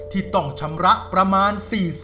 ที่ต้องชำระประมาณ๔๐